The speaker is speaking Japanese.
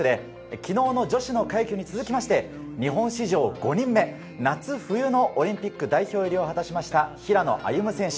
昨日女子の快挙に続きまして日本史上５人目、夏冬のオリンピック代表入りを果たした平野歩夢選手。